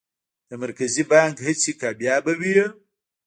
د مرکزي بانک هڅې کامیابه وې؟